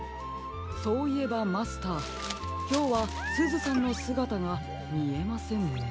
そういえばマスターきょうはすずさんのすがたがみえませんね。